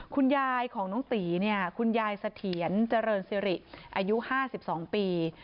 คุณยายของน้องตีเนี่ยคุณยายเสถียรเจริญสิริอายุ๕๒ปี